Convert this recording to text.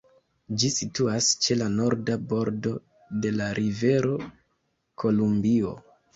Ĝi situas ĉe la norda bordo de la rivero Kolumbio.